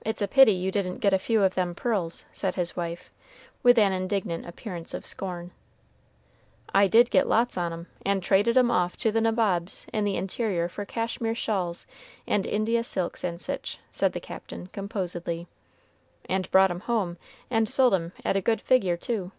"It's a pity you didn't get a few of them pearls," said his wife, with an indignant appearance of scorn. "I did get lots on 'em, and traded 'em off to the Nabobs in the interior for Cashmere shawls and India silks and sich," said the Captain, composedly; "and brought 'em home and sold 'em at a good figure, too."